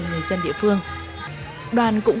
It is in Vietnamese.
người dân địa phương đoàn cũng